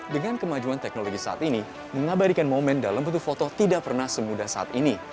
dengan kemajuan teknologi saat ini mengabadikan momen dalam bentuk foto tidak pernah semudah saat ini